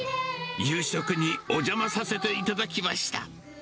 夕食にお邪魔させていただきました。